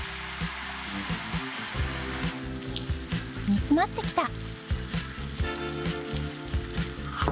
煮詰まってきた。